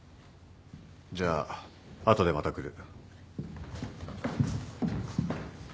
じゃあ後でまた来る。